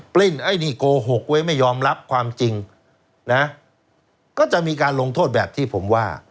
ลิ้นไอ้นี่โกหกไว้ไม่ยอมรับความจริงนะก็จะมีการลงโทษแบบที่ผมว่า